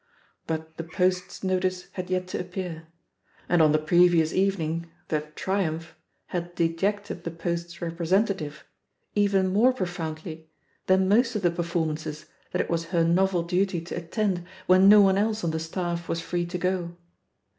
But The Posfs notice had yet to appear — and on the previous evening the "triumph" had de jected The Pest's representative even more pro foundly than most of the performances that it was her novel duty to attend when no one else on the staff was free to go.